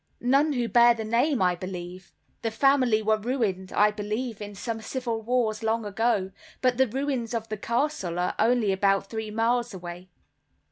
"None who bear the name, I believe. The family were ruined, I believe, in some civil wars, long ago, but the ruins of the castle are only about three miles away."